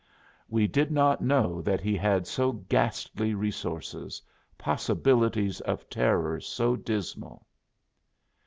We did not know that he had so ghastly resources, possibilities of terror so dismal.